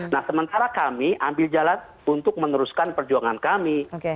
nah sementara kami ambil jalan untuk meneruskan perjuangan kami